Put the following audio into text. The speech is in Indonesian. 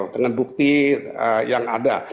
dengan bukti yang ada